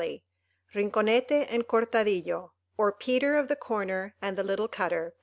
RINCONETE AND CORTADILLO: Or, Peter of the Corner and the Little Cutter.